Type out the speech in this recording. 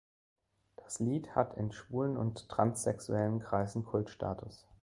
Das Lied hat in Schwulen- und Transsexuellen-Kreisen Kultstatus.